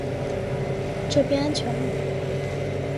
这边安全了